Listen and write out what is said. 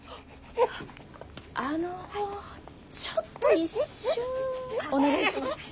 あのちょっと一瞬お願いします。